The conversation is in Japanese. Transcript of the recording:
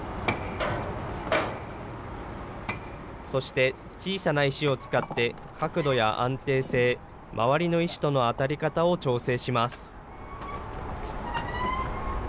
そして、小さな石を使って、角度や安定性、周りの石との当たり方を調整します。